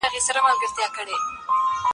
پدې سورت کي د ژوند کولو تدابير بيان سوي دي.